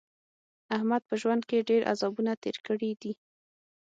احمد په ژوند کې ډېر عذابونه تېر کړي دي.